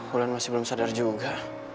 bulan masih belum sadar juga